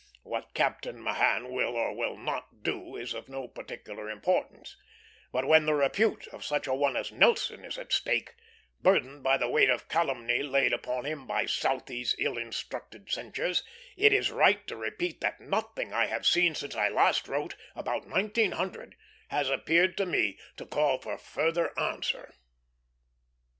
What Captain Mahan will or will not do is of no particular importance; but when the repute of such an one as Nelson is at stake, burdened by the weight of calumny laid upon him by Southey's ill instructed censures, it is right to repeat that nothing I have seen since I last wrote, about 1900, has appeared to me to call for further answer.